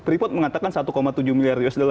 freeport mengatakan satu tujuh miliar usd